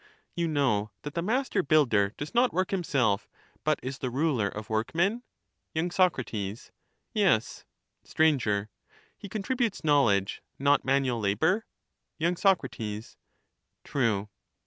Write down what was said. You know that the master builder does not work him self, but is the ruler of workmen ? y. Sac. Yes. Str. He contributes knowledge, not manual labour ? y. Sac. True.